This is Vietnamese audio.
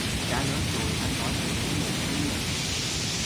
Đã lớn rồi, ăn nói phải giữ mồm giữ miệng